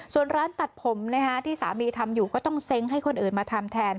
ส่วนร้านตัดผมที่สามีทำอยู่ก็ต้องเซ้งให้คนอื่นมาทำแทน